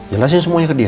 jelasin semuanya ke dia